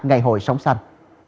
ngày hội sống xanh